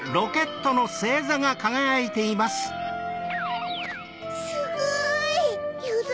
すごい！よ